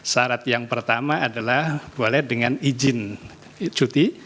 syarat yang pertama adalah boleh dengan izin cuti